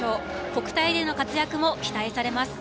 国体での活躍も期待されます。